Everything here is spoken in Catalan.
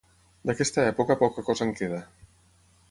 D'aquesta època poca cosa en queda.